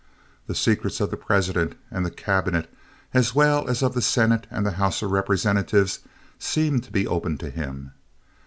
The secrets of the President and the Cabinet, as well as of the Senate and the House of Representatives, seemed to be open to him.